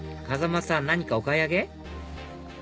風間さん何かお買い上げ？